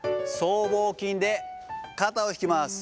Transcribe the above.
僧帽筋で肩を引きます。